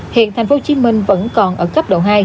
hiện thành phố hồ chí minh vẫn còn ở cấp độ hai